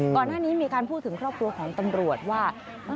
ก่อนหน้านี้มีการพูดถึงครอบครัวของตำรวจว่า